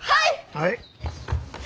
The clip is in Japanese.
はい。